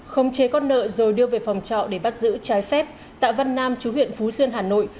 không chế con nợ rồi đưa về phòng trọ để bắt giữ trái phép tạ văn nam chú huyện phú xuyên hà nội